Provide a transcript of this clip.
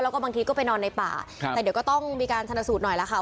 แล้วก็บางทีก็ไปนอนในป่าครับแต่เดี๋ยวก็ต้องมีการชนสูตรหน่อยล่ะค่ะ